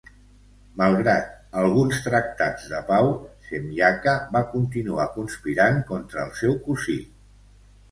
Malgrat alguns tractats de pau, Shemyaka va continuar conspirant contra el seu cosí.